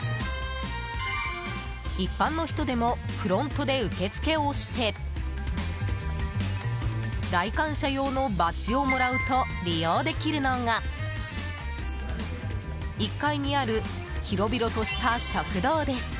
一般の人でもフロントで受け付けをして来館者用のバッジをもらうと利用できるのが１階にある広々とした食堂です。